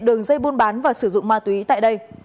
đường dây buôn bán và sử dụng ma túy tại đây